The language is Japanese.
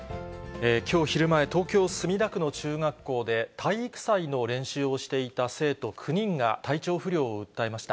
きょう昼前、東京・墨田区の中学校で、体育祭の練習をしていた生徒９人が体調不良を訴えました。